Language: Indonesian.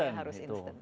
semuanya harus instant